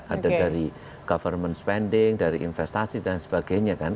ada dari government spending dari investasi dan sebagainya kan